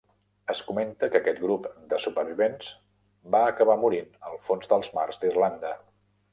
Es comenta que aquest grup de supervivents va acabar morint al fons dels mars d'Irlanda.